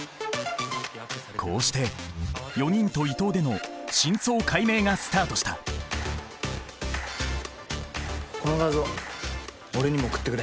こうして４人と伊藤での真相解明がスタートしたこの画像俺にも送ってくれ。